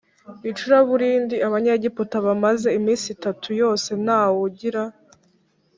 icuraburindi Abanyegiputa bamaze iminsi itatu yose nta wugira